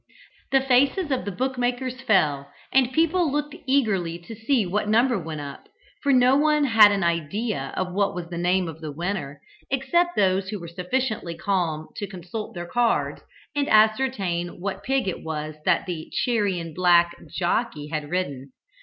The faces of the book makers fell, and people looked eagerly to see what number went up, for no one had an idea of what was the name of the winner, except those who were sufficiently calm to consult their cards, and ascertain what pig it was that the "cherry and black" jockey had ridden.